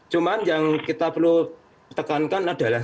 cuma yang kita perlu tekankan adalah ternyata hanya tiga yang salah